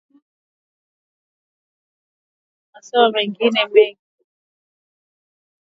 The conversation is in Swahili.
wanaohangaika kupata fedha majukumu ya kifamilia matatizo ya masomo na mengine mengi